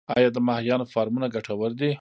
آیا د ماهیانو فارمونه ګټور دي؟